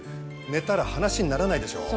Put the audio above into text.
寝たら話にならないでしょう。